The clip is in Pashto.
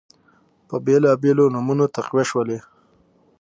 په بیلابیلو نومونو تقویه شولې